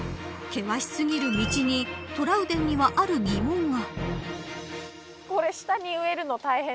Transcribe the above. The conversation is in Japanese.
険し過ぎる道にトラウデンにはある疑問が。